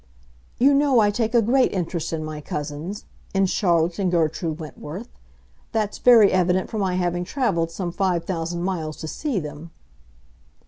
"You know I take a great interest in my cousins—in Charlotte and Gertrude Wentworth. That's very evident from my having traveled some five thousand miles to see them."